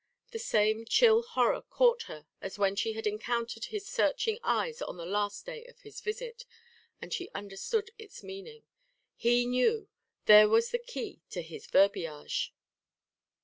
The same chill horror caught her as when she had encountered his searching eyes on the last day of his visit, and she understood its meaning. He knew; there was the key to his verbiage.